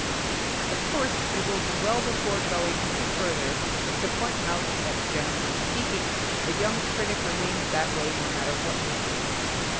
Of course, it will be well before going any further to point out that generally speaking a young critic re mains that way no matter what his age.